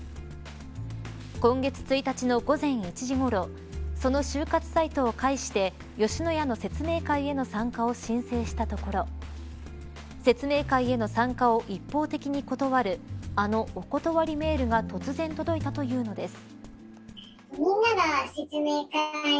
今月１日の午前１時ごろその就活サイトを介して吉野家の説明会への参加を申請したところ説明会への参加を一方的に断るあのお断りメールが突然届いたというのです。